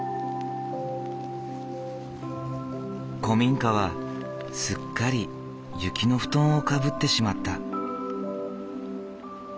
古民家はすっかり雪の布団をかぶってしまった。